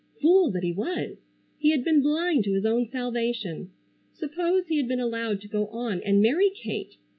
Fool that he was! He had been blind to his own salvation. Suppose he had been allowed to go on and marry Kate!